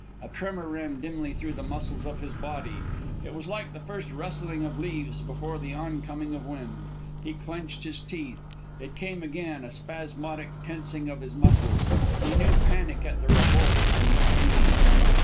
A tremor ran dimly through the muscles of his body. It was like the first rustling of leaves before the oncoming of wind. He clenched his teeth. It came again, a spasmodic tensing of his muscles. He knew panic at the revolt within his being.